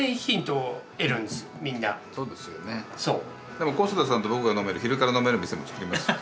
でも小須田さんと僕が飲める昼から飲める店も作りますよ。